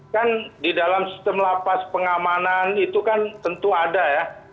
kan di dalam sistem lapas pengamanan itu kan tentu ada ya